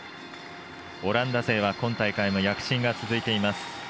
オランダ勢は今大会も躍進が続いています。